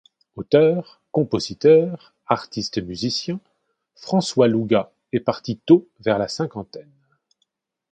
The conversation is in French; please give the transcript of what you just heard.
Auteur, compositeur, artiste musicien, François Lougah est parti tôt vers la cinquantaine.